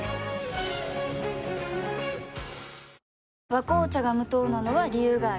「和紅茶」が無糖なのは、理由があるんよ。